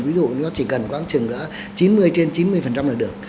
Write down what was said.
ví dụ nó chỉ cần khoảng chừng chín mươi trên chín mươi là được